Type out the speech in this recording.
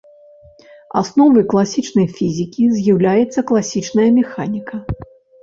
Асновай класічнай фізікі з'яўляецца класічная механіка.